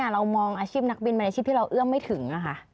เรามองอาชีพนักบินเป็นอาชีพที่เราเอื้อมไม่ถึง